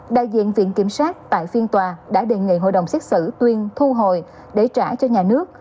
đại diện viện kiểm soát tại phiên tòa đã đề nghị hội đồng xét xử tuyên thu hồi để trả cho nhà nước